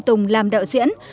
tùng làm đạo diễn